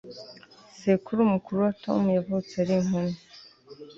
Sekuru mukuru wa Tom yavutse ari impumyi